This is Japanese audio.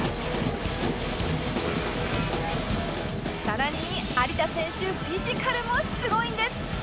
さらに有田選手フィジカルもすごいんです！